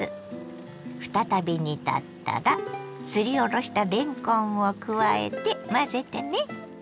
再び煮立ったらすりおろしたれんこんを加えて混ぜてね。